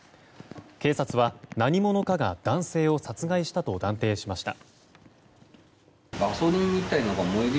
警察は、何者かが男性を殺害したと断定しました。